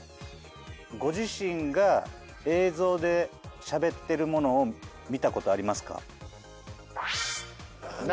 ご自身が映像でしゃべってるものを見たことありますか？